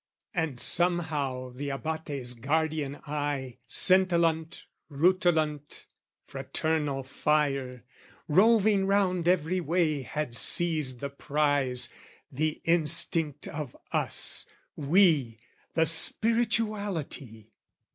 And somehow the Abate's guardian eye Scintillant, rutilant, fraternal fire, Roving round every way had seized the prize The instinct of us, we, the spiritualty!